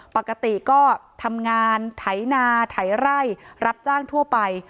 ปกติก็ทำงานไถนาไถไร่รับจ้างทั่วไป